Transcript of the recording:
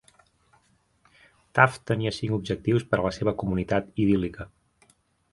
Taft tenia cinc objectius per a la seva comunitat idíl·lica.